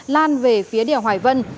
lan về phía đỉa hoài vân